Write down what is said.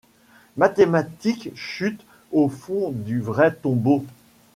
Mathématiques ! chute au fond du vrai tombeau